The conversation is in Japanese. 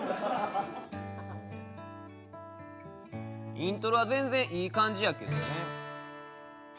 イントロは全然いい感じやけどね。